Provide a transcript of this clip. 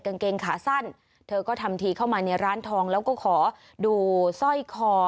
กางเกงขาสั้นเธอก็ทำทีเข้ามาในร้านทองแล้วก็ขอดูสร้อยคอ